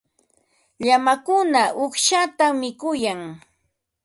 Llamakuna uqshatam mikuyan.